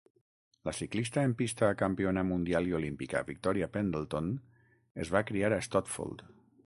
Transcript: La ciclista en pista campiona mundial i olímpica Victoria Pendleton es va criar a Stotfold.